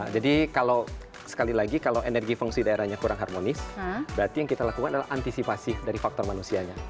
jadi sekali lagi kalau energi fungsi daerahnya kurang harmonis berarti yang kita lakukan adalah antisipasi dari faktor manusianya